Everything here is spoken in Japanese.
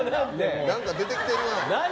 何か出てきてるな。